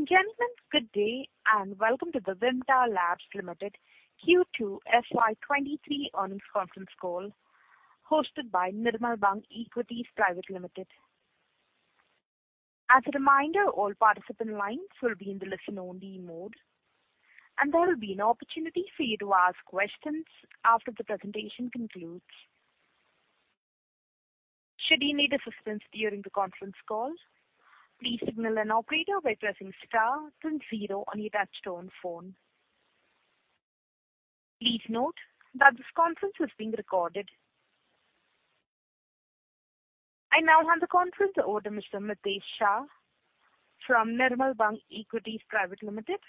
Ladies and gentlemen, good day, and welcome to the Vimta Labs Limited Q2 FY 2023 earnings conference call, hosted by Nirmal Bang Equities Private Limited. As a reminder, all participant lines will be in the listen-only mode, and there will be an opportunity for you to ask questions after the presentation concludes. Should you need assistance during the conference call, please signal an operator by pressing star then zero on your touchtone phone. Please note that this conference is being recorded. I now hand the conference over to Mr. Mitesh Shah from Nirmal Bang Equities Private Limited.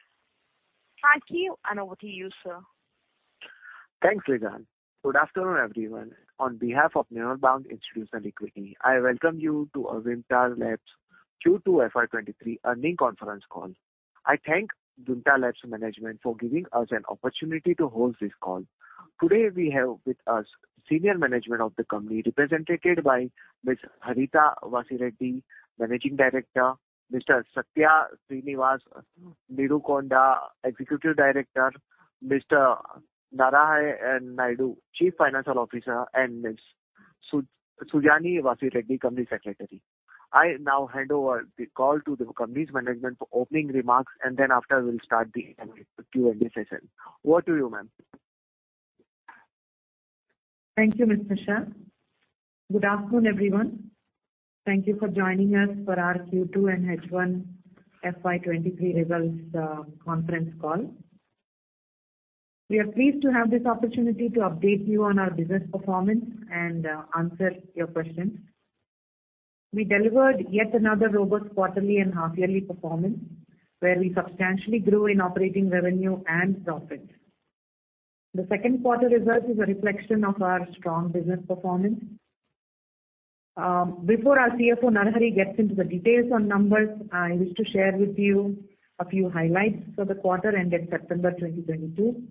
Thank you, and over to you, sir. Thanks, Rihan. Good afternoon, everyone. On behalf of Nirmal Bang Institutional Equities, I welcome you to our Vimta Labs Q2 FY 2023 earnings conference call. I thank Vimta Labs management for giving us an opportunity to host this call. Today we have with us senior management of the company represented by Ms. Harita Vasireddi, Managing Director, Mr. Satya Sreenivas Neerukonda, Executive Director, Mr. Narahari Naidu, Chief Financial Officer, and Ms. Sujani Vasireddi, Company Secretary. I now hand over the call to the company's management for opening remarks, and then after we'll start the Q&A session. Over to you, ma'am. Thank you, Mr. Shah. Good afternoon, everyone. Thank you for joining us for our Q2 and H1 FY23 results conference call. We are pleased to have this opportunity to update you on our business performance and answer your questions. We delivered yet another robust quarterly and half-yearly performance where we substantially grew in operating revenue and profits. The Q2 result is a reflection of our strong business performance. Before our CFO, Narahari, gets into the details on numbers, I wish to share with you a few highlights for the quarter ended September 2022.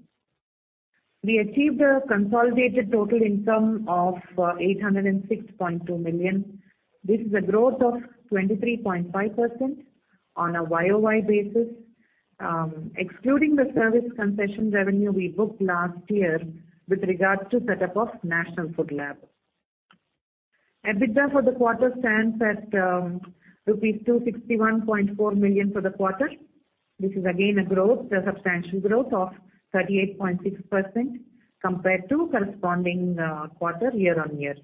We achieved a consolidated total income of 806.2 million. This is a growth of 23.5% on a YOY basis, excluding the service concession revenue we booked last year with regard to set up of National Food Laboratory. EBITDA for the quarter stands at rupees 261.4 million for the quarter. This is again a growth, a substantial growth of 38.6% compared to corresponding quarter year-on-year.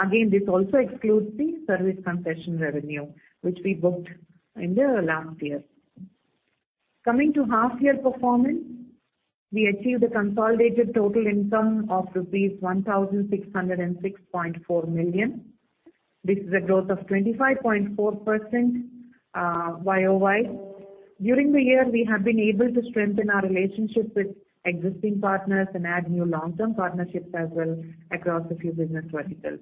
Again, this also excludes the service concession revenue which we booked in the last year. Coming to half year performance, we achieved a consolidated total income of rupees 1,606.4 million. This is a growth of 25.4% YOY. During the year, we have been able to strengthen our relationships with existing partners and add new long-term partnerships as well across a few business verticals.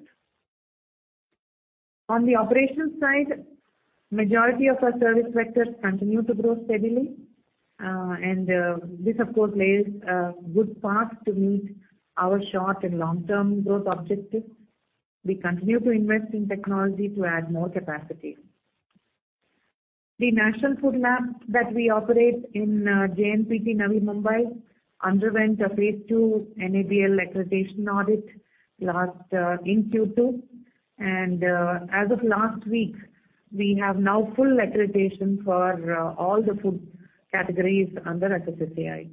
On the operations side, majority of our service sectors continue to grow steadily. This of course lays a good path to meet our short and long-term growth objectives. We continue to invest in technology to add more capacity. The National Food Laboratory that we operate in JNPT, Navi Mumbai, underwent a phase II NABL accreditation audit last in Q2. As of last week, we have now full accreditation for all the food categories under FSSAI.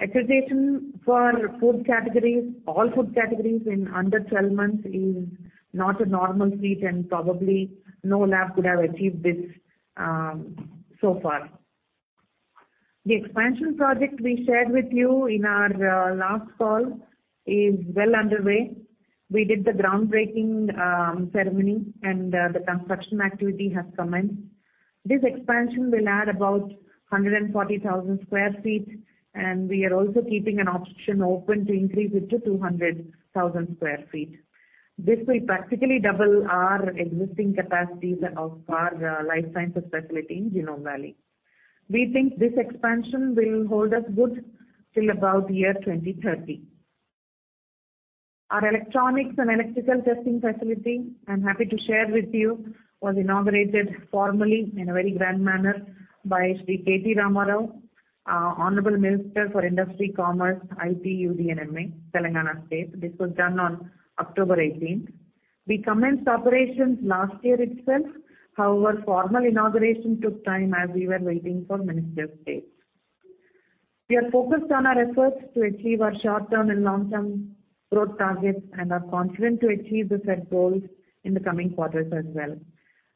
Accreditation for food categories, all food categories in under 12 months is not a normal feat, and probably no lab could have achieved this so far. The expansion project we shared with you in our last call is well underway. We did the groundbreaking ceremony and the construction activity has commenced. This expansion will add about 140,000 sq ft, and we are also keeping an option open to increase it to 200,000 sq ft. This will practically double our existing capacities of our life sciences facility in Genome Valley. We think this expansion will hold us good till about year 2030. Our electronics and electrical testing facility, I'm happy to share with you, was inaugurated formally in a very grand manner by Sri K.T. Rama Rao, Honorable Minister for Industry, Commerce, IT, UD and MA, Telangana State. This was done on October eighteenth. We commenced operations last year itself. However, formal inauguration took time as we were waiting for Minister of State. We are focused on our efforts to achieve our short-term and long-term growth targets and are confident to achieve the set goals in the coming quarters as well.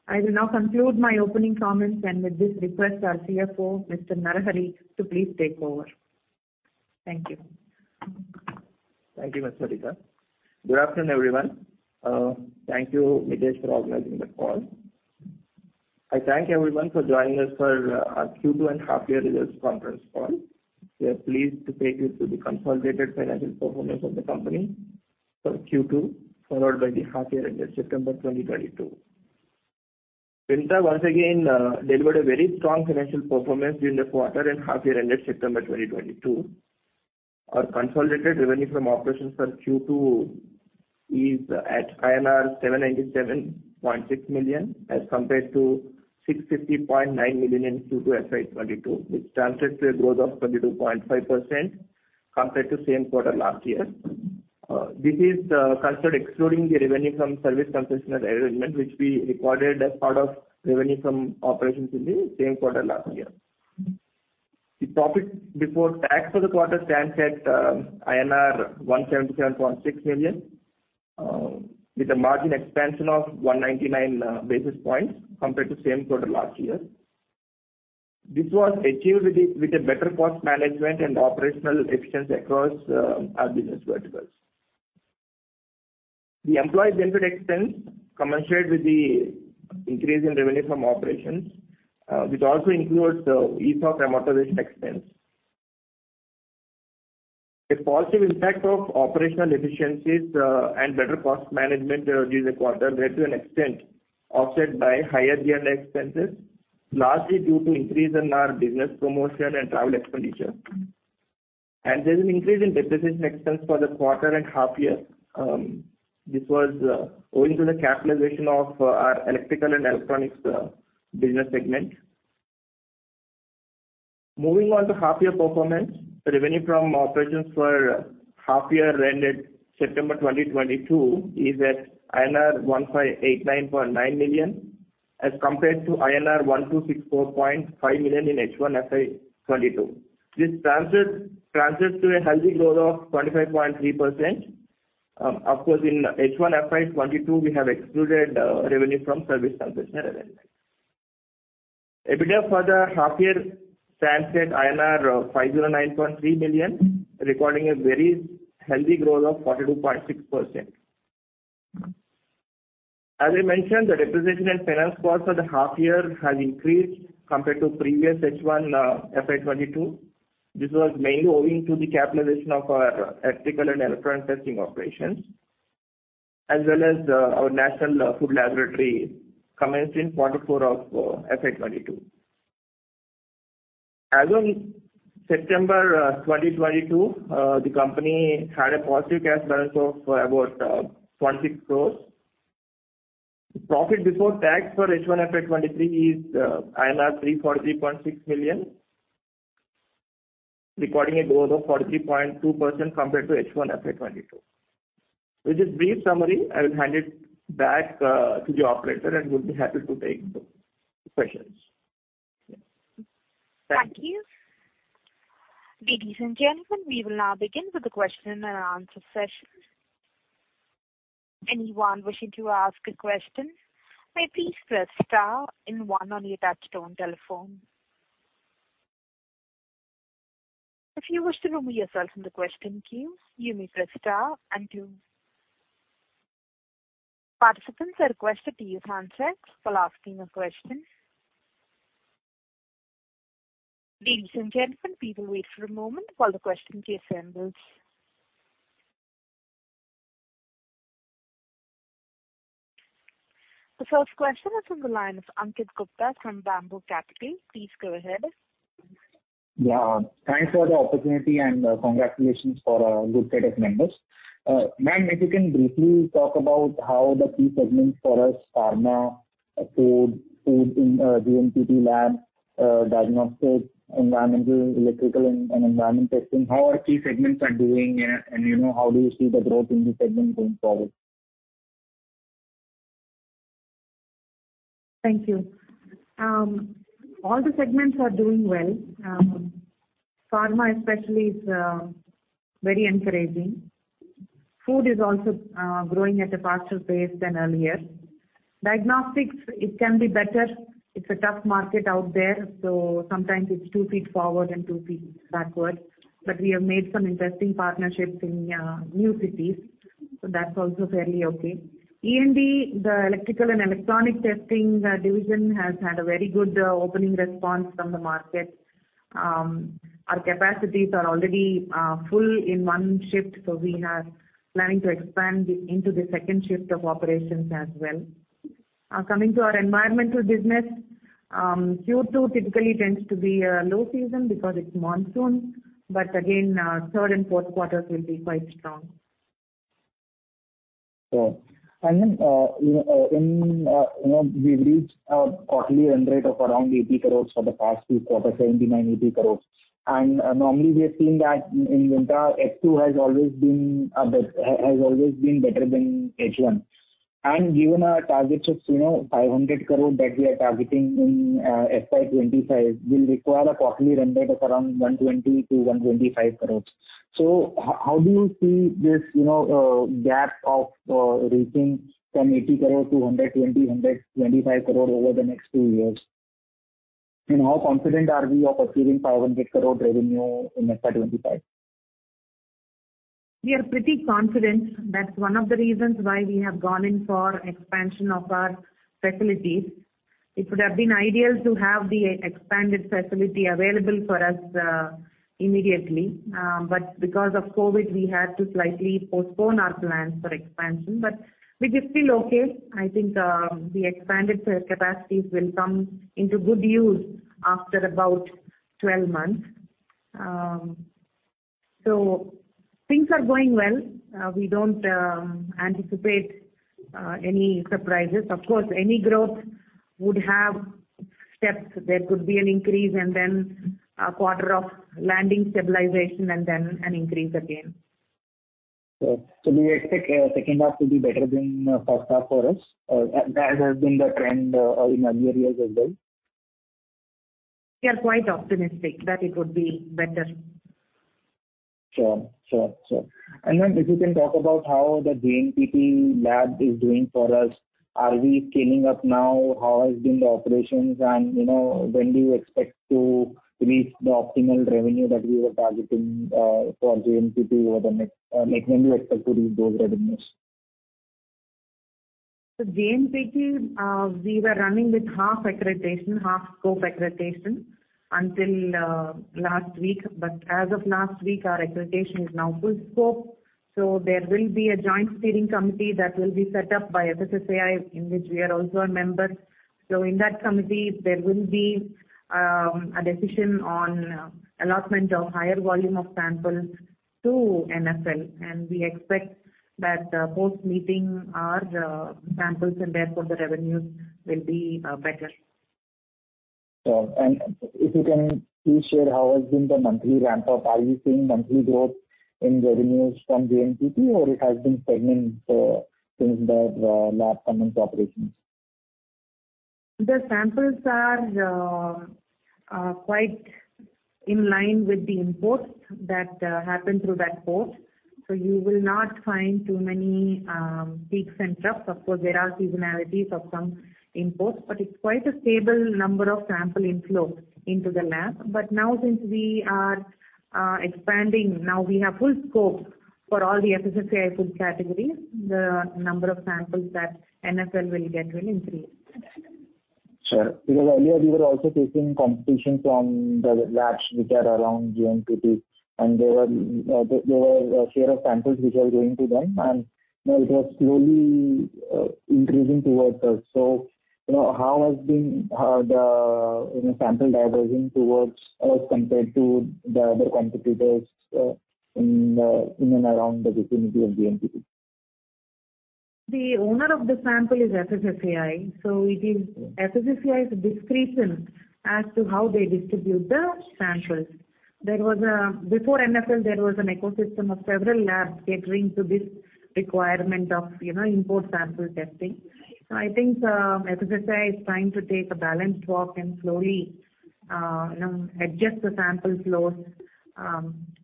I will now conclude my opening comments, and with this request our CFO, Mr. Narahari Naidu, to please take over. Thank you. Thank you, Ms. Harita. Good afternoon, everyone. Thank you Mitesh Shah for organizing the call. I thank everyone for joining us for our Q2 and half year results conference call. We are pleased to take you through the consolidated financial performance of the company for Q2, followed by the half year ended September 2022. Vimta once again delivered a very strong financial performance during the quarter and half year ended September 2022. Our consolidated revenue from operations for Q2 is at INR 797.6 million, as compared to 650.9 million in Q2 FY22, which translates to a growth of 22.5% compared to same quarter last year. This is considered excluding the revenue from service concession arrangement, which we recorded as part of revenue from operations in the same quarter last year. The profit before tax for the quarter stands at INR 177.6 million, with a margin expansion of 199 basis points compared to same quarter last year. This was achieved with a better cost management and operational efficiency across our business verticals. The employee benefit expense commensurate with the increase in revenue from operations, which also includes the ESOP amortization expense. A positive impact of operational efficiencies and better cost management during the quarter led to an extent offset by higher general expenses, largely due to increase in our business promotion and travel expenditure. There's an increase in depreciation expense for the quarter and half year. This was owing to the capitalization of our electrical and electronics business segment. Moving on to half year performance. Revenue from operations for half year ended September 2022 is at INR 1589.9 million, as compared to INR 1264.5 million in H1 FY 2022. This translates to a healthy growth of 25.3%. Of course, in H1 FY 2022 we have excluded revenue from service concession arrangement. EBITDA for the half year stands at INR 509.3 million, recording a very healthy growth of 42.6%. As I mentioned, the depreciation and finance costs for the half year has increased compared to previous H1 FY 2022. This was mainly owing to the capitalization of our electrical and electronic testing operations, as well as our National Food Laboratory commenced in quarter four of FY 2022. As on September 2022, the company had a positive cash balance of about 26 crores. Profit before tax for H1 FY 2023 is 343.6 million, recording a growth of 43.2% compared to H1 FY 2022. With this brief summary, I will hand it back to the operator, and would be happy to take the questions. Thank you. Ladies and gentlemen, we will now begin with the question and answer session. Anyone wishing to ask a question may please press star and one on your touch-tone telephone. If you wish to remove yourself from the question queue, you may press star and two. Participants are requested to use handsets while asking a question. Ladies and gentlemen, please wait for a moment while the question queue assembles. The first question is from the line of Ankit Gupta from Bamboo Capital. Please go ahead. Yeah. Thanks for the opportunity and congratulations for a good set of numbers. Ma'am, if you can briefly talk about how the key segments for us, pharma, food, GMP lab, diagnostics, environmental, electrical and environment testing, how our key segments are doing and, you know, how do you see the growth in the segment going forward? Thank you. All the segments are doing well. Pharma especially is very encouraging. Food is also growing at a faster pace than earlier. Diagnostics, it can be better. It's a tough market out there, so sometimes it's two feet forward and two feet backward. We have made some interesting partnerships in new cities, so that's also fairly okay. E&E, the electrical and electronic testing division has had a very good opening response from the market. Our capacities are already full in one shift, so we are planning to expand into the second shift of operations as well. Coming to our environmental business, Q2 typically tends to be a low season because it's monsoon, but again, third and Q4s will be quite strong. Sure. You know, we've reached a quarterly run rate of around 80 crore for the past few quarters, 79 crore, 80 crore. Normally we have seen that in Vimta H2 has always been a bit better than H1. Given our targets of, you know, 500 crore that we are targeting in FY 2025, we'll require a quarterly run rate of around 120-125 crore. How do you see this, you know, gap of reaching from 80 crore to 120-125 crore over the next two years? How confident are we of achieving 500 crore revenue in FY 2025? We are pretty confident. That's one of the reasons why we have gone in for expansion of our facilities. It would have been ideal to have the expanded facility available for us immediately. Because of COVID, we had to slightly postpone our plans for expansion. We are still okay. I think the expanded capacities will come into good use after about 12 months. Things are going well. We don't anticipate any surprises. Of course, any growth would have steps. There could be an increase and then a quarter of landing stabilization and then an increase again. Do you expect H2 to be better than H1 for us? Or that has been the trend in earlier years as well. We are quite optimistic that it would be better. Sure. If you can talk about how the JNPT lab is doing for us. Are we scaling up now? How has been the operations? You know, when do you expect to reach the optimal revenue that we were targeting for JNPT, like when do you expect to reach those revenues? The JNPT, we were running with half accreditation, half scope accreditation until last week. As of last week, our accreditation is now full scope. There will be a joint steering committee that will be set up by FSSAI, in which we are also a member. In that committee there will be a decision on allotment of higher volume of samples to NFL. We expect that post-meeting our samples and therefore the revenues will be better. Sure. If you can please share how has been the monthly ramp-up? Are you seeing monthly growth in revenues from JNPT, or it has been stagnant since the lab commenced operations? The samples are quite in line with the imports that happen through that port. You will not find too many peaks and troughs. Of course, there are seasonalities of some imports, but it's quite a stable number of sample inflow into the lab. Now since we are expanding, now we have full scope for all the FSSAI food categories. The number of samples that NFL will get will increase. Sure. Because earlier you were also facing competition from the labs which are around JNPT, and there were a share of samples which were going to them, and, you know, it was slowly increasing towards us. You know, how has been the, you know, sample diverting towards us compared to the other competitors in and around the vicinity of JNPT? The owner of the sample is FSSAI, so it is FSSAI's discretion as to how they distribute the samples. Before NFL, there was an ecosystem of several labs catering to this requirement of, you know, import sample testing. I think FSSAI is trying to take a balanced walk and slowly, you know, adjust the sample flows,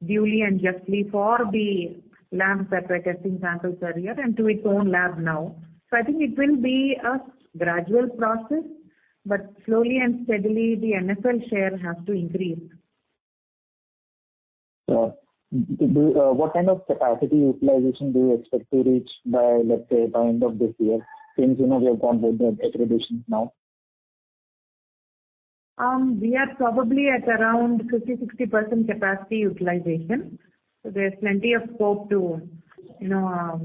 duly and justly for the labs that were testing samples earlier and to its own lab now. I think it will be a gradual process, but slowly and steadily the NFL share has to increase. Sure. So what kind of capacity utilization do you expect to reach by, let's say, end of this year, since you know you have got both the accreditations now? We are probably at around 50%-60% capacity utilization. There's plenty of scope to, you know,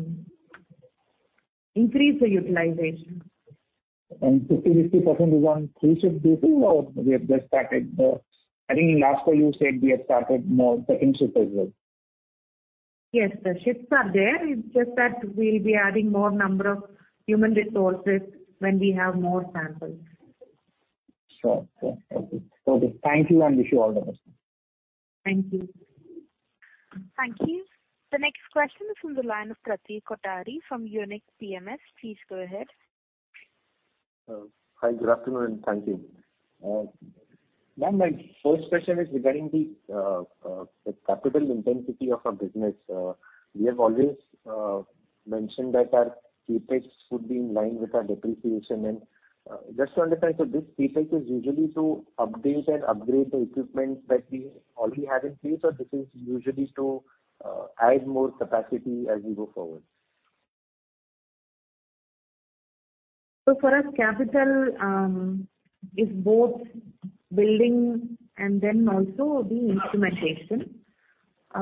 increase the utilization. 50%-60% is on three-shift basis or we have just started. I think last time you said we have started more second shift as well. Yes. The shifts are there. It's just that we'll be adding more number of human resources when we have more samples. Sure. Okay. Thank you, and wish you all the best. Thank you. Thank you. The next question is from the line of Pratik Kothari from Unique PMS. Please go ahead. Hi, good afternoon and thank you. Ma'am, my first question is regarding the capital intensity of our business. We have always mentioned that our CapEx would be in line with our depreciation. Just to understand, this CapEx is usually to update and upgrade the equipment that we already have in place, or this is usually to add more capacity as we go forward. For us, CapEx is both building and then also the instrumentation.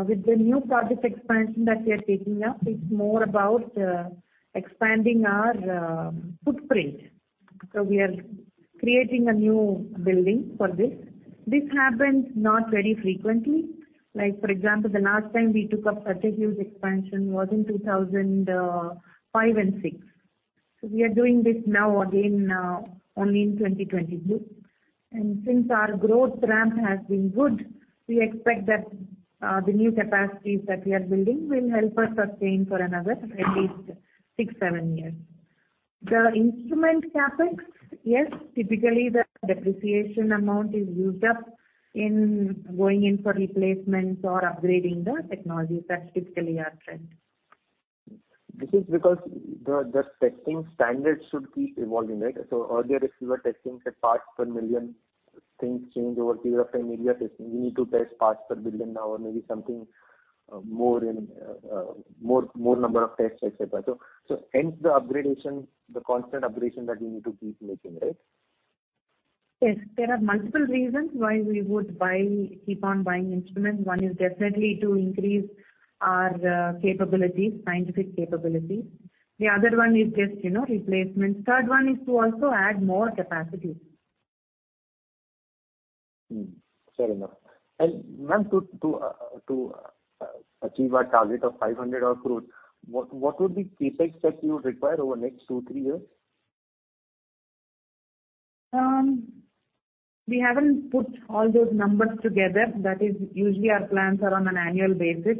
With the new project expansion that we are taking up, it's more about expanding our footprint. We are creating a new building for this. This happens not very frequently. Like, for example, the last time we took up such a huge expansion was in 2005 and 2006. We are doing this now again only in 2022. Since our growth ramp has been good, we expect that the new capacities that we are building will help us sustain for another at least 6-7 years. The instrument CapEx, yes, typically the depreciation amount is used up in going in for replacements or upgrading the technology. That's typically our trend. This is because the testing standards should keep evolving, right? Earlier, if you were testing say parts per million, things change over a period of time. Maybe you are testing, you need to test parts per billion now or maybe something, more in, more number of tests, et cetera. Hence the upgradation, the constant upgradation that we need to keep making, right? Yes. There are multiple reasons why we would buy, keep on buying instruments. One is definitely to increase our capabilities, scientific capabilities. The other one is just, you know, replacements. Third one is to also add more capacity. Fair enough. Ma'am, to achieve our target of 500 odd crore, what would be CapEx that you would require over next two, three years? We haven't put all those numbers together. That is usually our plans are on an annual basis.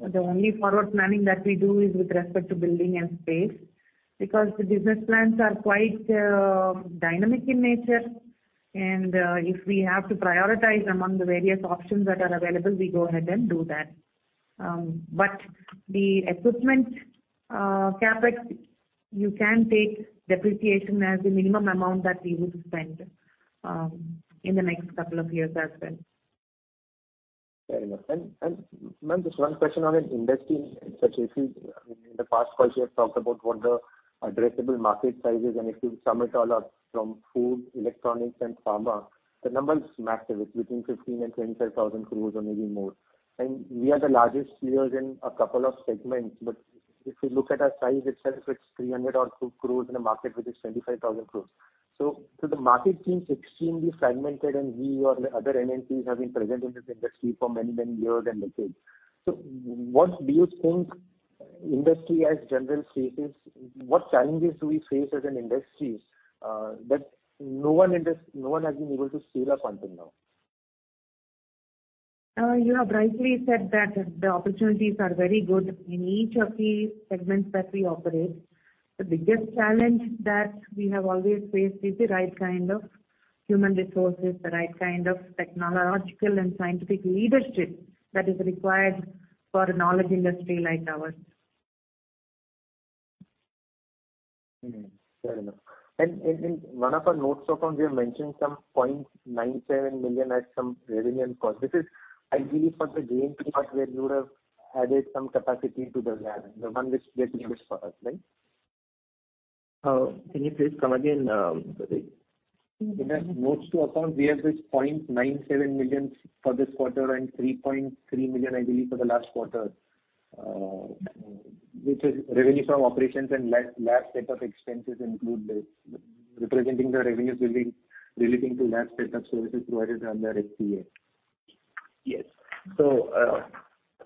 The only forward planning that we do is with respect to building and space. Because the business plans are quite dynamic in nature, and if we have to prioritize among the various options that are available, we go ahead and do that. The equipment, CapEx, you can take depreciation as the minimum amount that we would spend in the next couple of years as well. Fair enough. Ma'am, just one question on an industry such as this. In the past calls you have talked about what the addressable market size is. If you sum it all up from food, electronics and pharma, the number is massive. It's between 15,000-25,000 crores or maybe more. We are the largest players in a couple of segments. If you look at our size itself, it's 300 odd crores in a market which is 25,000 crores. The market seems extremely fragmented, and we or the other NNPs have been present in this industry for many, many years and decades. What do you think the industry in general faces? What challenges do we face as an industry, that no one has been able to scale up until now? You have rightly said that the opportunities are very good in each of the segments that we operate. The biggest challenge that we have always faced is the right kind of human resources, the right kind of technological and scientific leadership that is required for a knowledge industry like ours. Fair enough. In one of our notes, Suparn, we have mentioned 0.97 million as some revenue and cost. This is ideally for the JNPT part where you would have added some capacity to the lab, the one which gets used for us, right? Can you please come again? In the notes to account, we have 0.97 million for this quarter and 3.3 million, I believe, for the last quarter, which is revenue from operations and lab set up expenses include this, representing the revenues will be relating to lab set up services provided under SCA. Yes.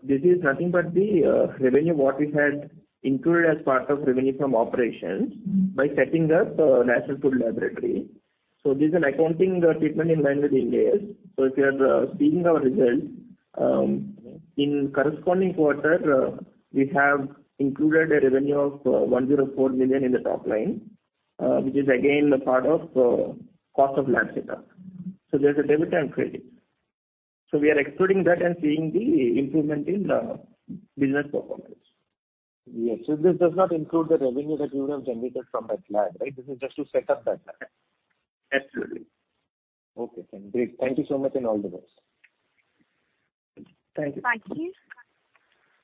This is nothing but the revenue what we had included as part of revenue from operations by setting up a National Food Laboratory. This is an accounting treatment in line with Ind AS. If you are seeing our results in corresponding quarter, we have included a revenue of 104 million in the top line, which is again a part of cost of lab set up. There's a debit and credit. We are excluding that and seeing the improvement in the business performance. Yes. This does not include the revenue that you would have generated from that lab, right? This is just to set up that lab. Absolutely. Okay, thank you. Thank you so much, and all the best. Thank you. Thank you.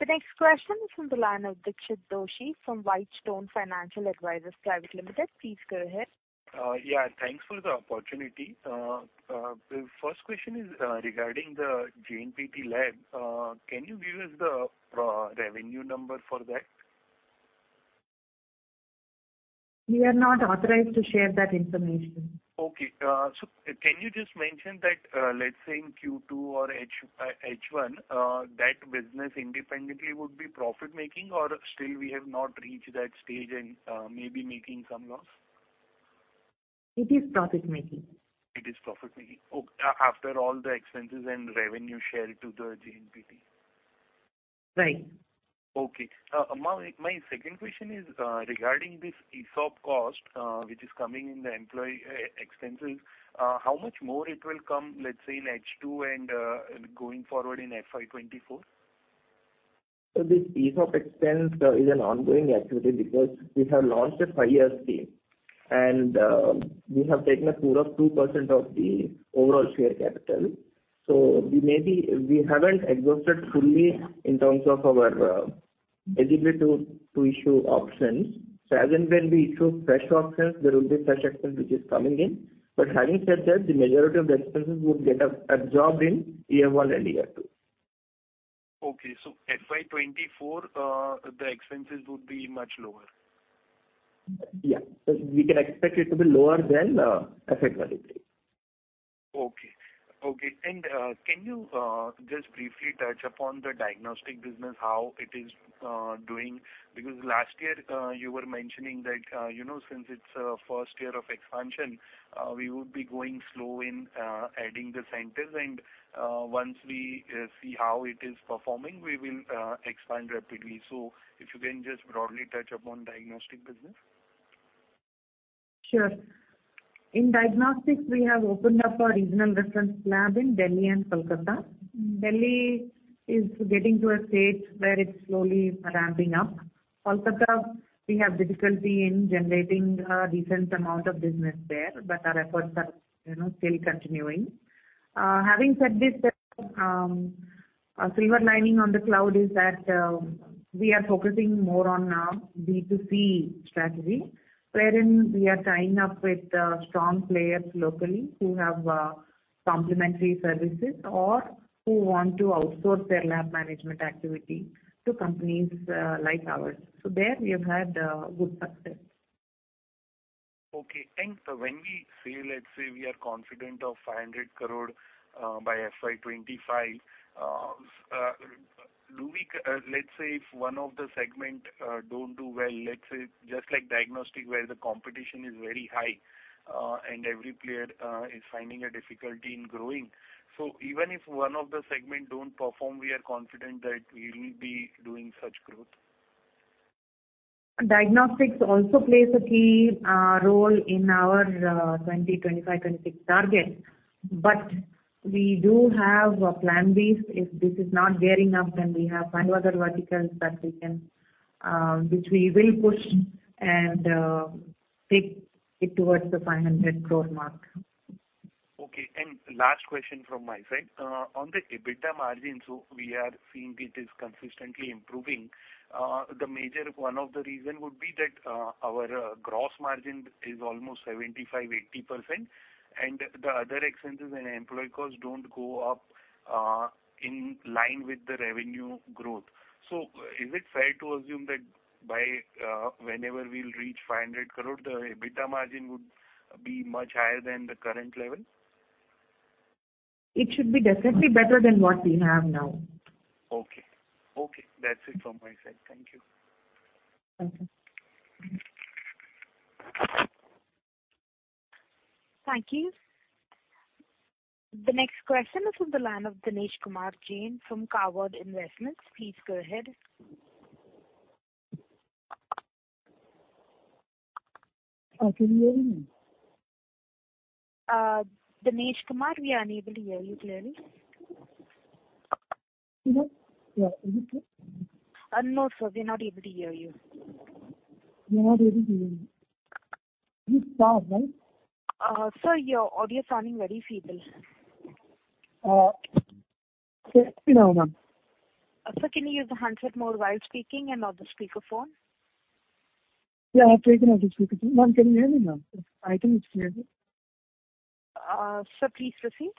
The next question is from the line of Dikshit Doshi from Whitestone Financial Advisors Private Limited. Please go ahead. Yeah, thanks for the opportunity. The first question is regarding the JNPT lab. Can you give us the revenue number for that? We are not authorized to share that information. Okay. Can you just mention that, let's say in Q2 or H1, that business independently would be profit-making or still we have not reached that stage and, maybe making some loss? It is profit-making. It is profit-making. Ok. After all the expenses and revenue share to the JNPT. Right. Okay. Ma'am, my second question is, regarding this ESOP cost, which is coming in the employee expenses, how much more it will come, let's say in H2 and going forward in FY 2024? This ESOP expense is an ongoing activity because we have launched a five-year scheme. We have taken a pool of 2% of the overall share capital. We haven't exhausted fully in terms of our ability to issue options. As and when we issue fresh options, there will be fresh expense which is coming in. Having said that, the majority of the expenses would get absorbed in year one and year two. Okay. FY 2024, the expenses would be much lower. Yeah. We can expect it to be lower than FY 2023. Okay. Can you just briefly touch upon the diagnostic business, how it is doing? Because last year you were mentioning that you know since it's first year of expansion we would be going slow in adding the centers and once we see how it is performing we will expand rapidly. If you can just broadly touch upon diagnostic business. Sure. In diagnostics, we have opened up a regional reference lab in Delhi and Kolkata. Delhi is getting to a state where it's slowly ramping up. Kolkata, we have difficulty in generating a decent amount of business there, but our efforts are, you know, still continuing. Having said this, a silver lining on the cloud is that we are focusing more on B2C strategy, wherein we are tying up with strong players locally who have complementary services or who want to outsource their lab management activity to companies like ours. There we have had good success. Okay, thanks. When we say, let's say we are confident of 500 crore by FY 2025, let's say if one of the segment don't do well, let's say just like diagnostics where the competition is very high, and every player is finding a difficulty in growing. Even if one of the segment don't perform, we are confident that we will be doing such growth. Diagnostics also plays a key role in our 2025, 2026 target. We do have a plan B. If this is not gearing up, then we have five other verticals that we can which we will push and take it towards the 500 crore mark. Okay. Last question from my side. On the EBITDA margins, we are seeing it is consistently improving. The major one of the reason would be that, our gross margin is almost 75%-80%, and the other expenses and employee costs don't go up in line with the revenue growth. Is it fair to assume that by whenever we'll reach 500 crore, the EBITDA margin would be much higher than the current level? It should be definitely better than what we have now. Okay, that's it from my side. Thank you. Thank you. Thank you. The next question is from the line of Dinesh Kumar Jain from Karvy Investments. Please go ahead. Can you hear me? Dinesh Kumar, we are unable to hear you clearly. Hello. Yeah. Can you hear? No, sir, we're not able to hear you. You're not able to hear me. Can you start, ma'am? Sir, your audio is sounding very feeble. Can you hear me now, ma'am? Sir, can you use the handset more while speaking and not the speakerphone? Yeah, I've taken off the speaker phone. Ma'am, can you hear me, ma'am? I think it's clear. Sir, please proceed.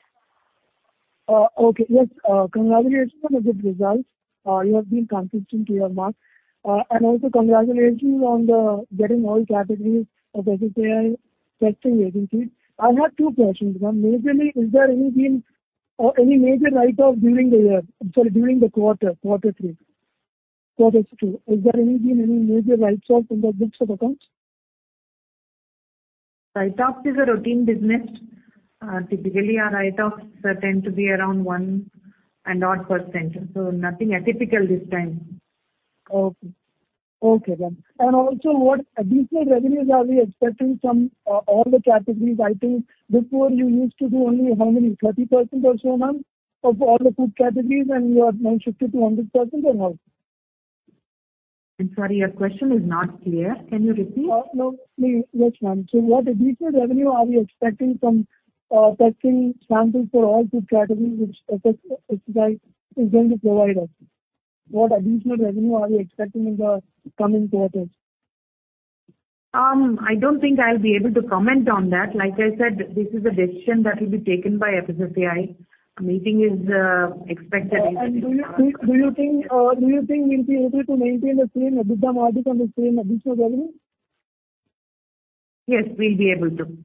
Okay. Yes. Congratulations on the good results. You have been consistent to your mark. Also congratulations on getting all categories of FSSAI testing agencies. I have two questions, ma'am. Majorly, has there any been any major write-off during the quarter two. Has there any been any major write-offs in the books of accounts? Write-offs is a routine business. Typically our write-offs tend to be around one and odd percent, so nothing atypical this time. Okay. Okay, ma'am. Also what additional revenues are we expecting from all the categories? I think before you used to do only how many, 30% or so, ma'am, of all the food categories and you are now 50%-100% or more? I'm sorry, your question is not clear. Can you repeat? No. Yes, ma'am. What additional revenue are you expecting from testing samples for all food categories which FSSAI is going to provide us? What additional revenue are you expecting in the coming quarters? I don't think I'll be able to comment on that. Like I said, this is a decision that will be taken by FSSAI. Meeting is expected in- Do you think we'll be able to maintain the same EBITDA margin on the same additional revenue? Yes, we'll be able to.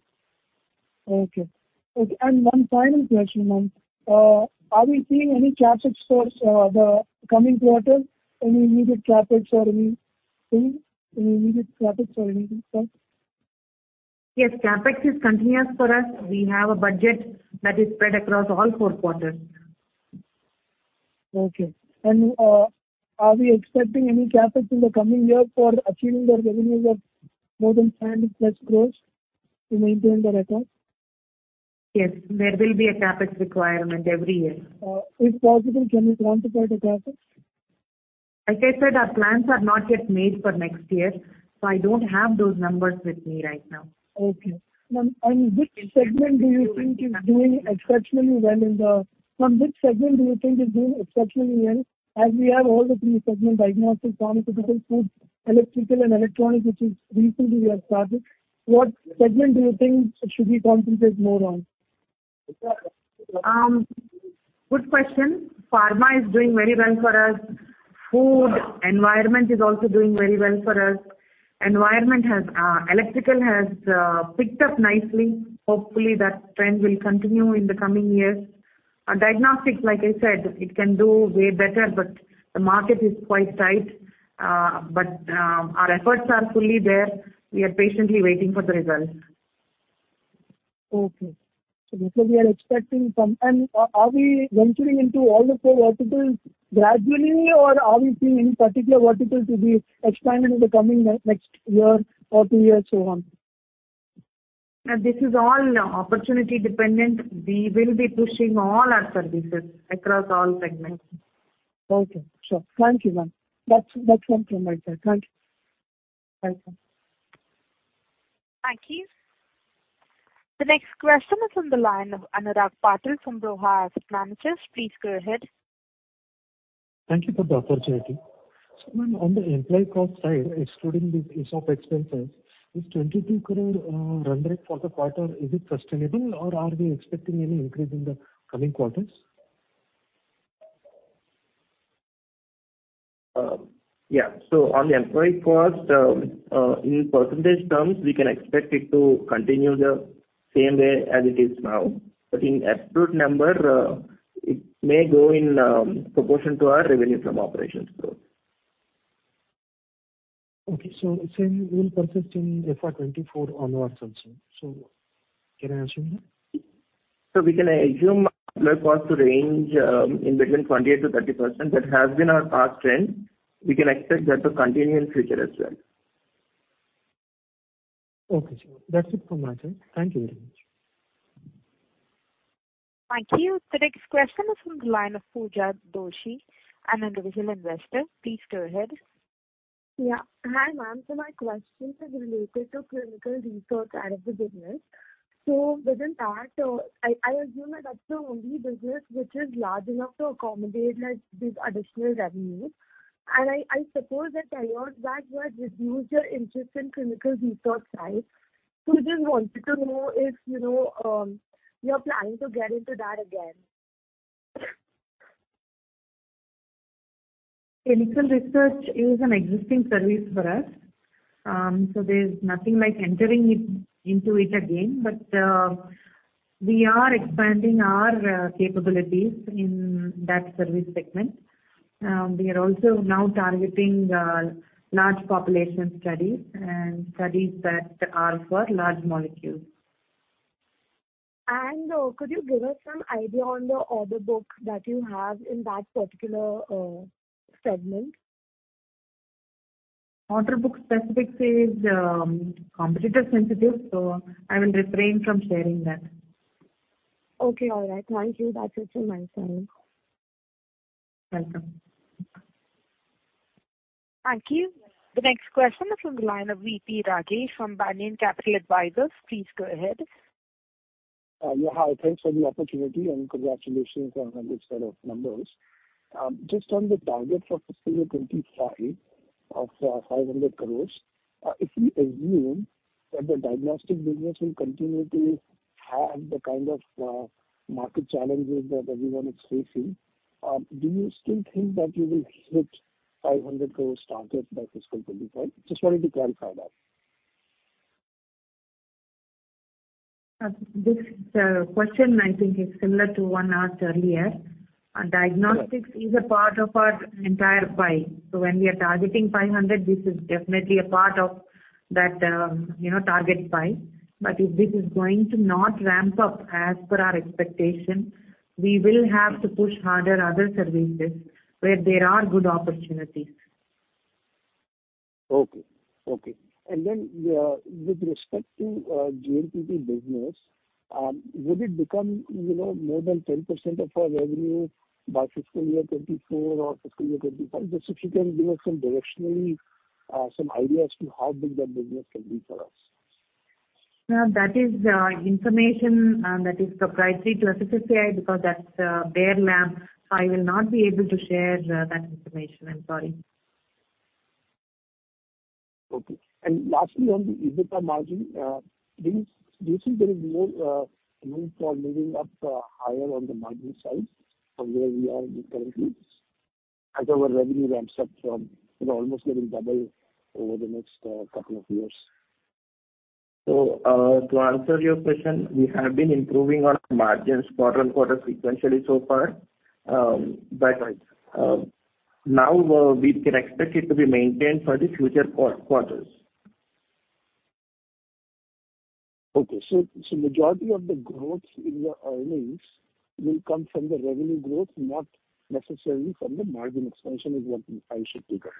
Okay. Okay, one final question, ma'am. Are we seeing any CapEx for the coming quarter? Any immediate CapEx or anything, sir? Yes, CapEx is continuous for us. We have a budget that is spread across all four quarters. Okay. Are we expecting any CapEx in the coming year for achieving the revenues of more than 500+ crores to maintain the records? Yes, there will be a CapEx requirement every year. If possible, can you quantify the CapEx? Like I said, our plans are not yet made for next year, so I don't have those numbers with me right now. Ma'am, which segment do you think is doing exceptionally well as we have all the three segments, diagnostic, pharmaceutical, food, electrical and electronic, which is recently we have started? What segment do you think should we concentrate more on? Good question. Pharma is doing very well for us. Food, environment is also doing very well for us. Electrical has picked up nicely. Hopefully, that trend will continue in the coming years. Diagnostics, like I said, it can do way better, but the market is quite tight. Our efforts are fully there. We are patiently waiting for the results. Okay. That's what we are expecting from. Are we venturing into all the four verticals gradually or are we seeing any particular vertical to be expanded in the coming next year or two years so on? This is all opportunity dependent. We will be pushing all our services across all segments. Okay, sure. Thank you, ma'am. That's all from my side. Thank you. Welcome. Thank you. The next question is from the line of Anurag Patil from Roha Asset Managers. Please go ahead. Thank you for the opportunity. Ma'am, on the employee cost side, excluding the ESOP expenses, this 22 crore run rate for the quarter, is it sustainable, or are we expecting any increase in the coming quarters? On the employee cost, in percentage terms, we can expect it to continue the same way as it is now. In absolute number, it may go in proportion to our revenue from operations growth. Okay. Same will persist in FY 2024 onwards also. Can I assume that? We can assume costs to range in between 28%-30%. That has been our past trend. We can expect that to continue in future as well. Okay. That's it from my side. Thank you very much. Thank you. The next question is from the line of Pooja Doshi, an individual investor. Please go ahead. Yeah. Hi, ma'am. My question is related to clinical research arm of the business. Within that, I assume that that's the only business which is large enough to accommodate, like, these additional revenues. I suppose that tie-up part you had reduced your interest in clinical research side. I just wanted to know if, you know, you're planning to get into that again. Clinical research is an existing service for us, so there's nothing like entering it, into it again. We are expanding our capabilities in that service segment. We are also now targeting large population studies and studies that are for large molecules. Could you give us some idea on the order book that you have in that particular segment? Order book specifics is competitor sensitive, so I will refrain from sharing that. Okay. All right. Thank you. That's it from my side. Welcome. Thank you. The next question is from the line of VP Rajesh from Banyan Capital Advisors. Please go ahead. Yeah. Hi. Thanks for the opportunity, and congratulations on this set of numbers. Just on the target for fiscal year 2025 of INR 500 crores, if we assume that the diagnostic business will continue to have the kind of market challenges that everyone is facing, do you still think that you will hit 500 crores target by fiscal 2025? Just wanted to clarify that. This question I think is similar to one asked earlier. Diagnostics Yeah. is a part of our entire pie. When we are targeting 500, this is definitely a part of that, you know, target pie. But if this is going to not ramp up as per our expectation, we will have to push harder other services where there are good opportunities. Okay. With respect to JNPT business, will it become, you know, more than 10% of our revenue by fiscal year 2024 or fiscal year 2025? Just if you can give us some directionally, some idea as to how big that business can be for us. No, that is information that is proprietary to FSSAI because that's their lab. So I will not be able to share that information. I'm sorry. Okay. Lastly, on the EBITDA margin, do you think there is more room for moving up higher on the margin side from where we are currently as our revenue ramps up from, you know, almost getting double over the next couple of years? To answer your question, we have been improving on margins quarter-on-quarter sequentially so far. Right. Now we can expect it to be maintained for the future quarters. Majority of the growth in your earnings will come from the revenue growth, not necessarily from the margin expansion is what I should take away.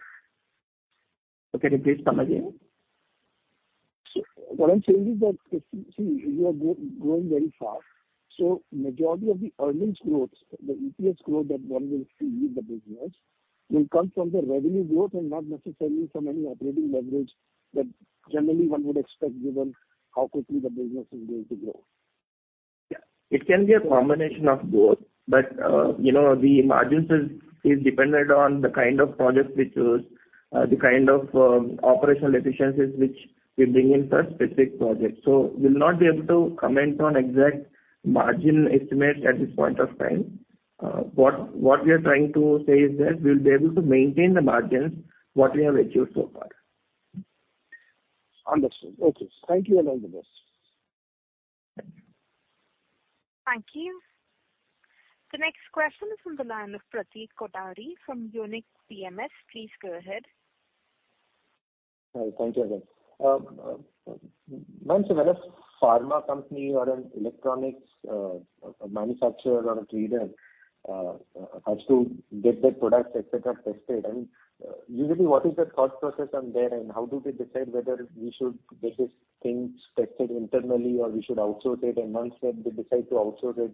Sorry, can you please come again? What I'm saying is that, see, you are growing very fast. Majority of the earnings growth, the EPS growth that one will see in the business will come from the revenue growth and not necessarily from any operating leverage that generally one would expect given how quickly the business is going to grow. Yeah. It can be a combination of both, but you know, the margins is dependent on the kind of projects we choose, the kind of operational efficiencies which we bring in for a specific project. We'll not be able to comment on exact margin estimates at this point of time. What we are trying to say is that we'll be able to maintain the margins what we have achieved so far. Understood. Okay. Thank you, and all the best. Thank you. The next question is from the line of Pratik Kothari from Unique PMS. Please go ahead. Thank you again. Ma'am, when a pharma company or an electronics manufacturer or a trader has to get their products, et cetera, tested, I mean, usually what is the thought process on there, and how do they decide whether we should get these things tested internally or we should outsource it? Once they decide to outsource it,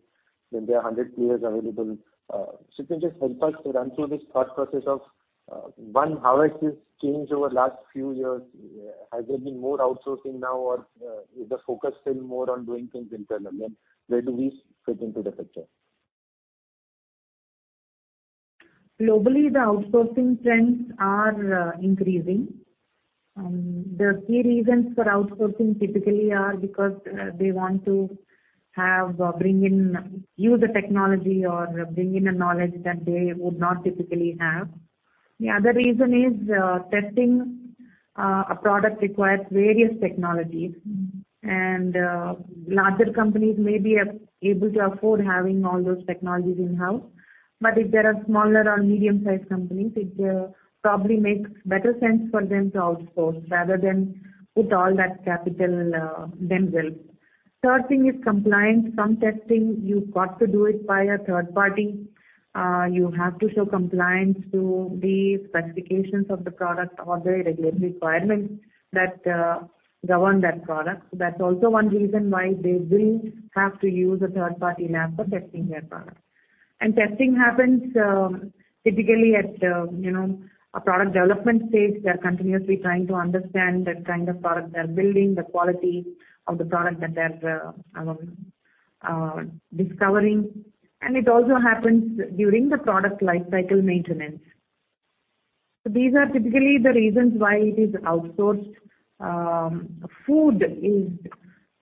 then there are hundred players available. If you can just help us to run through this thought process of one, how has this changed over the last few years? Has there been more outsourcing now, or is the focus still more on doing things internally? Where do we fit into the picture? Globally, the outsourcing trends are increasing. The key reasons for outsourcing typically are because they want to have or use the technology or bring in a knowledge that they would not typically have. The other reason is testing a product requires various technologies. Mm-hmm. Larger companies may be able to afford having all those technologies in-house. If there are smaller or medium-sized companies, it probably makes better sense for them to outsource rather than put all that capital themselves. Third thing is compliance. Some testing you've got to do it by a third party. You have to show compliance to the specifications of the product or the regulatory requirements that govern that product. That's also one reason why they will have to use a third party lab for testing their product. Testing happens typically at, you know, a product development stage. They're continuously trying to understand the kind of product they're building, the quality of the product that they're discovering. It also happens during the product lifecycle maintenance. These are typically the reasons why it is outsourced. Food is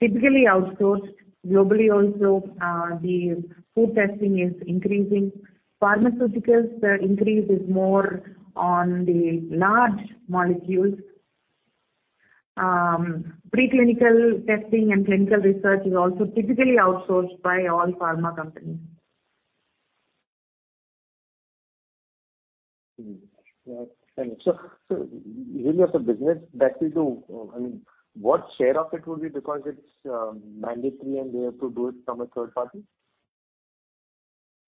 typically outsourced. Globally also, the food testing is increasing. Pharmaceuticals, the increase is more on the large molecules. Preclinical testing and clinical research is also typically outsourced by all pharma companies. Mm-hmm. Right. Thank you. Really as a business that you do, I mean, what share of it would be because it's mandatory and they have to do it from a third party?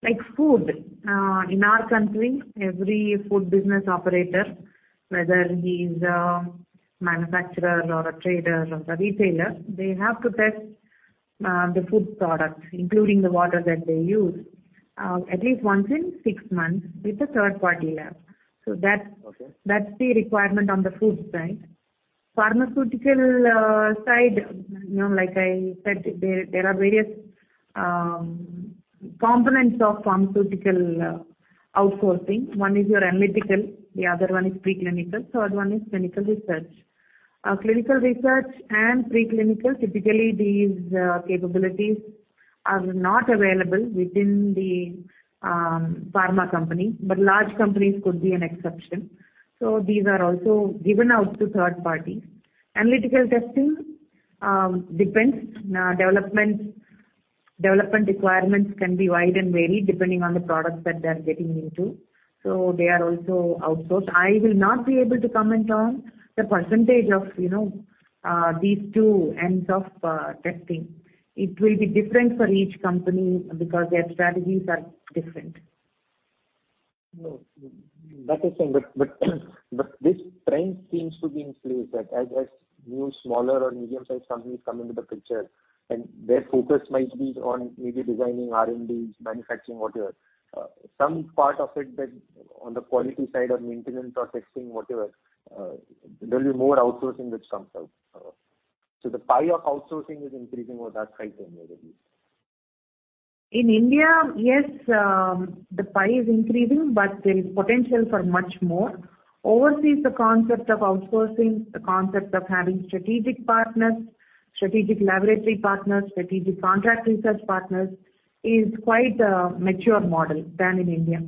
Like food, in our country, every food business operator, whether he's a manufacturer or a trader or a retailer, they have to test the food products, including the water that they use, at least once in six months with a third party lab. Okay. That's the requirement on the food side. Pharmaceutical side, you know, like I said, there are various components of pharmaceutical outsourcing. One is your analytical, the other one is preclinical, third one is clinical research. Clinical research and preclinical, typically these capabilities are not available within the pharma company, but large companies could be an exception. These are also given out to third parties. Analytical testing depends. Development requirements can be wide and varied depending on the product that they're getting into, so they are also outsourced. I will not be able to comment on the percentage of, you know, these two ends of testing. It will be different for each company because their strategies are different. No. That is fine. This trend seems to be in place that as new smaller or medium-sized companies come into the picture and their focus might be on maybe designing R&Ds, manufacturing, whatever, some part of it that on the quality side or maintenance or testing, whatever, there'll be more outsourcing which comes out. The pie of outsourcing is increasing or that side anyway at least. In India, yes, the pie is increasing, but there is potential for much more. Overseas, the concept of outsourcing, the concept of having strategic partners, strategic laboratory partners, strategic contract research partners is quite a mature model than in India.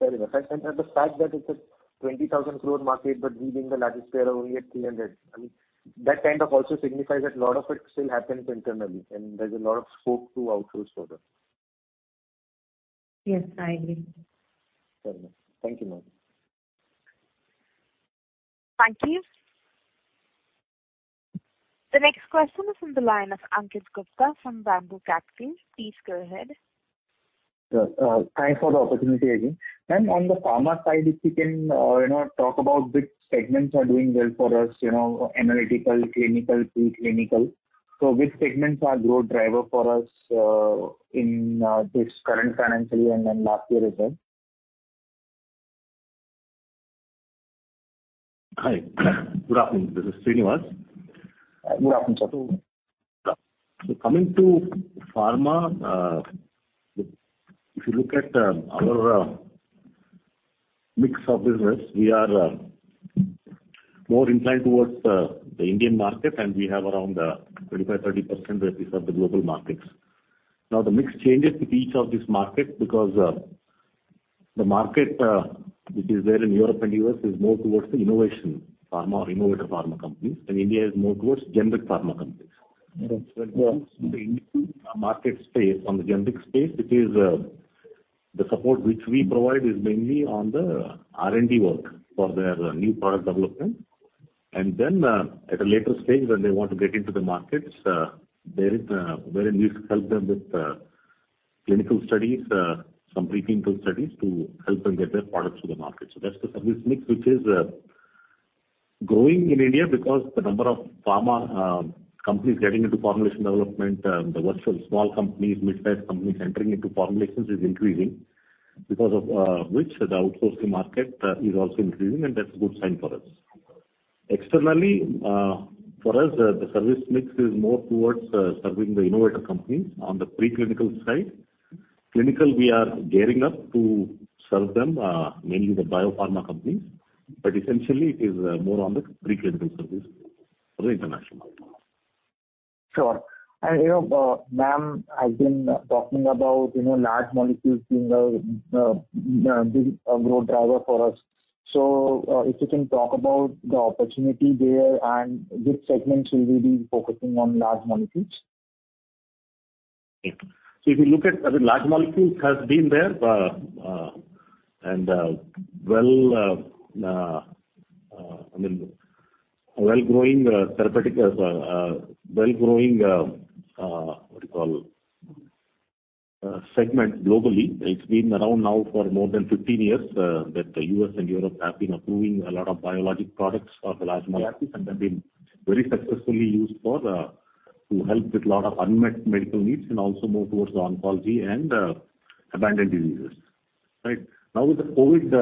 Very well. The fact that it's a 20,000 crore market, but we being the largest player are only at 300, I mean, that kind of also signifies that a lot of it still happens internally and there's a lot of scope to outsource for them. Yes, I agree. Very well. Thank you, madam. Thank you. The next question is from the line of Ankit Gupta from Bamboo Capital. Please go ahead. Yeah. Thanks for the opportunity again. Ma'am, on the pharma side, if you can, you know, talk about which segments are doing well for us, you know, analytical, clinical, preclinical. Which segments are growth driver for us, in this current financial year and then last year as well? Hi. Good afternoon. This is Sreenivas. Good afternoon, sir. Coming to pharma, if you look at our mix of business, we are more inclined towards the Indian market, and we have around 25%-30% that is of the global markets. Now the mix changes with each of this market because the market which is there in Europe and U.S. is more towards the innovation pharma or innovator pharma companies, and India is more towards generic pharma companies. Right. When it comes to the Indian market space, on the generic space, it is the support which we provide is mainly on the R&D work for their new product development. Then, at a later stage when they want to get into the markets, there is wherein we help them with clinical studies, some pre-clinical studies to help them get their products to the market. That's the service mix, which is growing in India because the number of pharma companies getting into formulation development, the various small companies, midsize companies entering into formulations is increasing because of which the outsourcing market is also increasing, and that's a good sign for us. Externally, for us, the service mix is more towards serving the innovator companies on the pre-clinical side. Clinical, we are gearing up to serve them, mainly the biopharma companies, but essentially it is, more on the preclinical service for the international. Sure. You know, ma'am has been talking about, you know, large molecules being a growth driver for us. If you can talk about the opportunity there and which segments will we be focusing on large molecules? If you look at, I mean, large molecules has been there, and, well, I mean, a well-growing therapeutics segment globally. It's been around now for more than 15 years that the U.S. and Europe have been approving a lot of biologic products for large molecules, and they've been very successfully used to help with a lot of unmet medical needs and also more towards oncology and orphan diseases. Right? With the COVID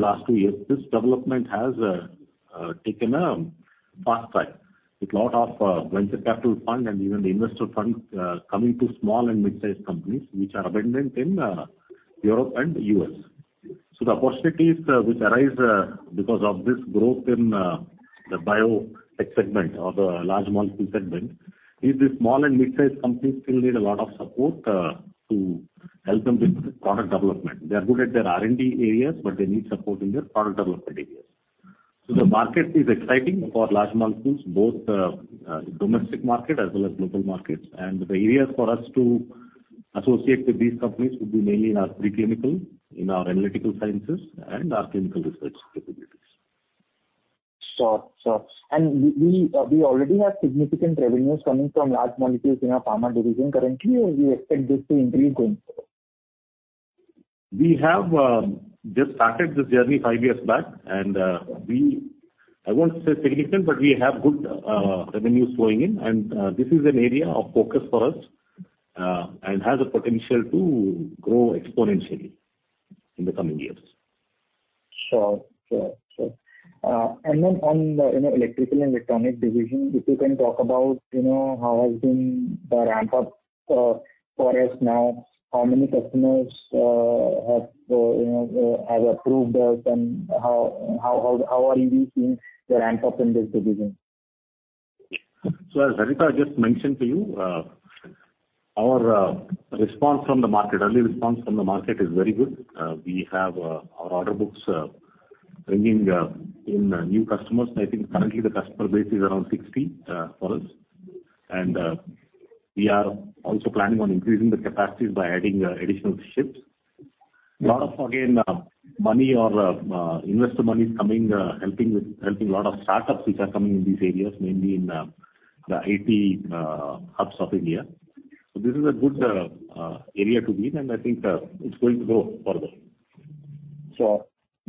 last two years, this development has taken a fast track with a lot of venture capital funds and even the investor funds coming to small and midsize companies which are abundant in Europe and U.S. The opportunities, which arise, because of this growth in the biotech segment or the large molecule segment is the small and midsize companies still need a lot of support to help them with product development. They are good at their R&D areas, but they need support in their product development areas. The market is exciting for large molecules, both, domestic market as well as global markets. The areas for us to associate with these companies would be mainly in our preclinical, in our analytical sciences and our clinical research capabilities. Sure, sure. We already have significant revenues coming from large molecules in our pharma division currently, or we expect this to increase going forward? We have just started this journey five years back. I won't say significant, but we have good revenues flowing in. This is an area of focus for us, and has a potential to grow exponentially in the coming years. Sure. On the, you know, electrical and electronic division, if you can talk about, you know, how has been the ramp up for us now, how many customers, you know, have approved us and how are you seeing the ramp up in this division? As Harita just mentioned to you, our response from the market, early response from the market is very good. We have our order books bringing in new customers. I think currently the customer base is around 60 for us. We are also planning on increasing the capacities by adding additional shifts. Lot of, again, money or investor money is coming, helping a lot of startups which are coming in these areas, mainly in the IT hubs of India. This is a good area to be in, and I think it's going to grow further. Sure.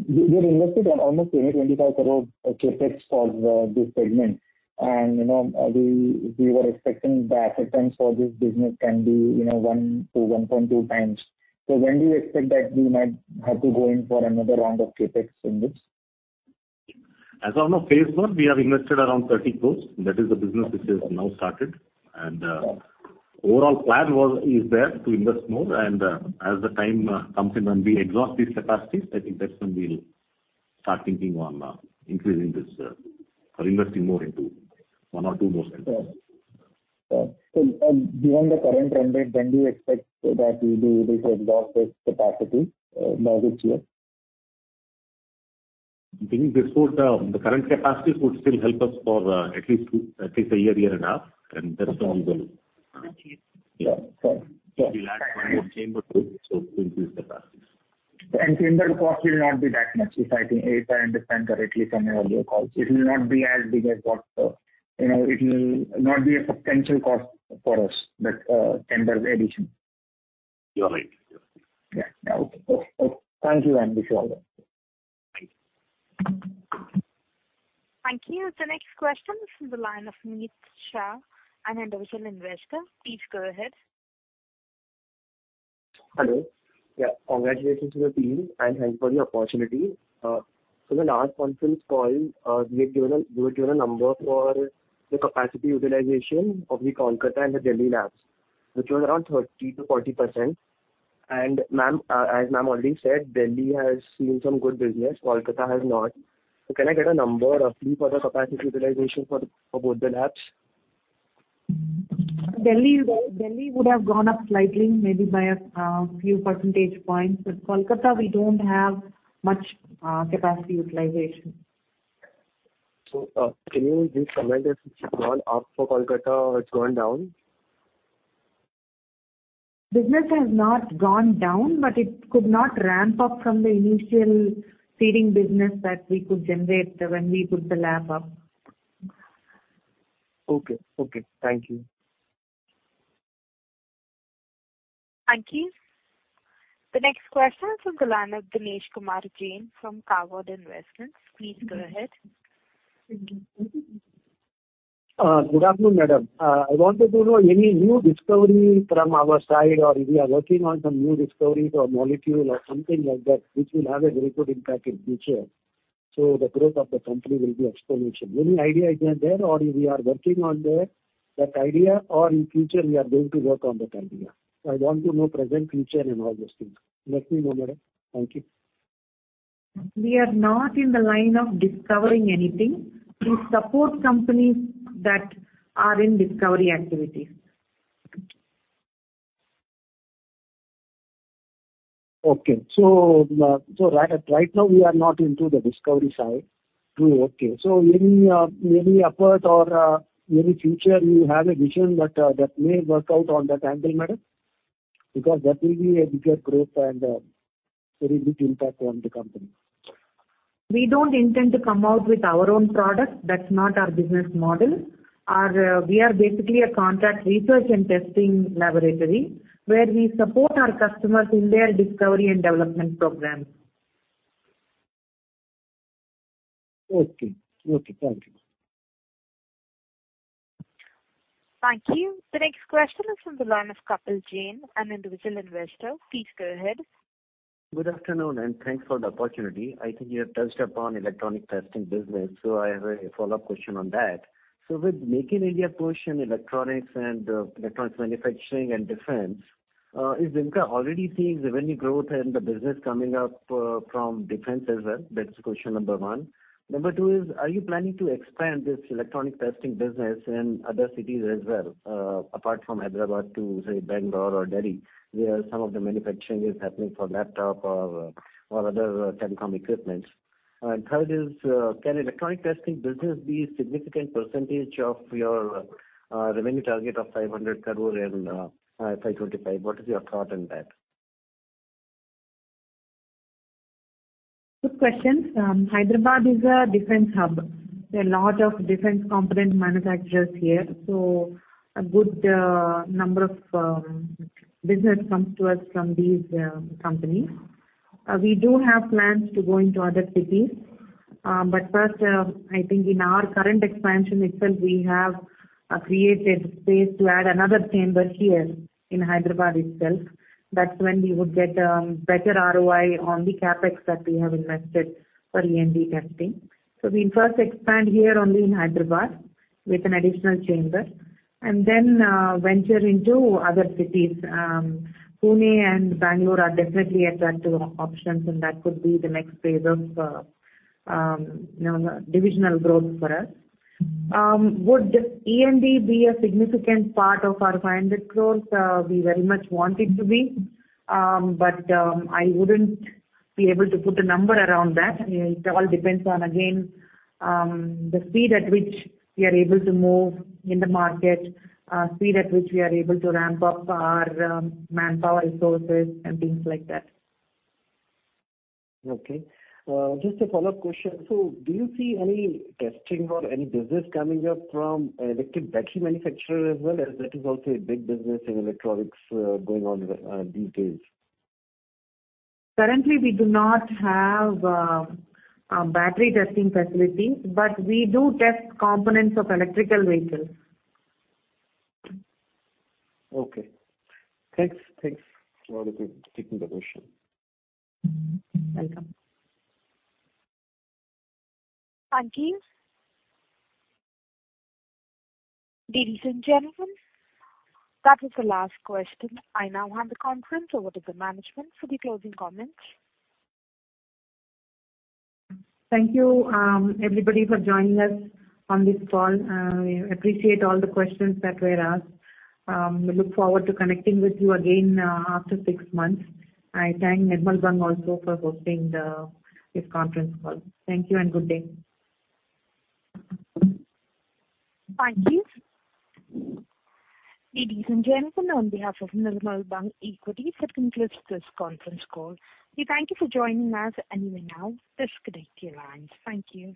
We invested on almost 20-25 crore CapEx for this segment. You know, we were expecting the asset turns for this business can be, you know, 1-1.2 times. When do you expect that we might have to go in for another round of CapEx in this? As on end of phase one, we have invested around 30 crore. That is the business which has now started. Overall plan is there to invest more. As the time comes in and we exhaust these capacities, I think that's when we'll start thinking on increasing this or investing more into one or two more centers. Given the current trend rate, when do you expect that you do this exhaust this capacity, now this year? I think the current capacities would still help us for at least a year and a half, and that's when we'll Okay. Sure, sure. We'll add one more chamber, so to increase capacities. Chamber cost will not be that much. If I think, if I understand correctly from your earlier calls, it will not be as big as what, you know, it will not be a substantial cost for us, that, chamber addition. You are right. Yeah. Okay. Thank you. This is all then. Thank you. Thank you. The next question is from the line of Nitisha, an individual investor. Please go ahead. Hello. Yeah, congratulations to the team and thanks for the opportunity. The last conference call, you had given a number for the capacity utilization of the Kolkata and the Delhi labs, which was around 30%-40%. Ma'am, as ma'am already said, Delhi has seen some good business. Kolkata has not. Can I get a number roughly for the capacity utilization for both the labs? Delhi would have gone up slightly, maybe by a few percentage points. Kolkata we don't have much capacity utilization. Can you please comment if it's gone up for Kolkata or it's gone down? Business has not gone down, but it could not ramp up from the initial seeding business that we could generate when we put the lab up. Okay. Thank you. Thank you. The next question is from the line of Dinesh Kumar Jain from Karvy Investments. Please go ahead. Good afternoon, madam. I wanted to know any new discovery from our side or if we are working on some new discoveries or molecule or something like that, which will have a very good impact in future, so the growth of the company will be exponential. Any idea is there or we are working on the, that idea or in future we are going to work on that idea. I want to know present, future and all those things. Let me know, madam. Thank you. We are not in the line of discovering anything. We support companies that are in discovery activities. Right now we are not into the discovery side. True. Any effort or any future you have a vision that may work out on that angle, madam? That will be a bigger growth and a very big impact on the company. We don't intend to come out with our own product. That's not our business model. We are basically a contract research and testing laboratory where we support our customers in their discovery and development programs. Okay. Okay, thank you. Thank you. The next question is from the line of Kapil Jain, an individual investor. Please go ahead. Good afternoon, and thanks for the opportunity. I think you have touched upon electronic testing business, so I have a follow-up question on that. With Make in India push in electronics and electronics manufacturing and defense, is Vimta already seeing revenue growth and the business coming up from defense as well? That's question number one. Number two is, are you planning to expand this electronic testing business in other cities as well, apart from Hyderabad to, say, Bangalore or Delhi, where some of the manufacturing is happening for laptop or other telecom equipment? Third is, can electronic testing business be significant percentage of your revenue target of 500 crore in FY 2025? What is your thought on that? Good questions. Hyderabad is a defense hub. There are a lot of defense component manufacturers here, so a good number of business comes to us from these companies. We do have plans to go into other cities. First, I think in our current expansion itself, we have created space to add another chamber here in Hyderabad itself. That's when we would get better ROI on the CapEx that we have invested for E&E testing. We'll first expand here only in Hyderabad with an additional chamber and then venture into other cities. Pune and Bangalore are definitely attractive options, and that could be the next phase of divisional growth for us. Would E&E be a significant part of our 500 crores? We very much want it to be, but I wouldn't be able to put a number around that. It all depends on again, the speed at which we are able to move in the market, speed at which we are able to ramp up our manpower resources and things like that. Okay. Just a follow-up question. Do you see any testing or any business coming up from electric battery manufacturer as well, as that is also a big business in electronics, going on these days? Currently, we do not have a battery testing facility, but we do test components of electric vehicles. Okay. Thanks for letting me take the question. Welcome. Thank you. Ladies and gentlemen, that was the last question. I now hand the conference over to the management for the closing comments. Thank you, everybody for joining us on this call. We appreciate all the questions that were asked. We look forward to connecting with you again after six months. I thank Nirmal Bang also for hosting this conference call. Thank you and good day. Thank you. Ladies and gentlemen, on behalf of Nirmal Bang Equities, that concludes this conference call. We thank you for joining us and you may now disconnect your lines. Thank you.